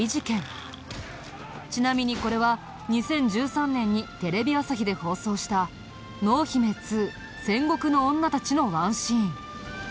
ちなみにこれは２０１３年にテレビ朝日で放送した『濃姫Ⅱ戦国の女たち』のワンシーン。